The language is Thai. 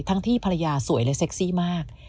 ที่ภรรยาสวยและเซ็กซี่มาก